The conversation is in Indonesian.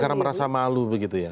karena merasa malu begitu ya